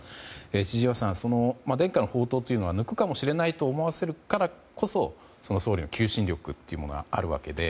千々岩さん伝家の宝刀というのは抜くかもしれないと思わせるからこそ総理の求心力があるわけで。